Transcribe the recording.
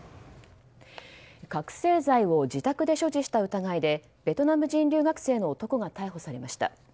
覚醒剤を自宅で所持した疑いでベトナム人留学生の男が逮捕されました。